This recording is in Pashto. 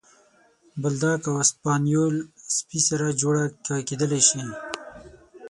بولداګ او اسپانیول سپي سره جوړه کېدلی شي.